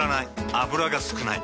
油が少ない。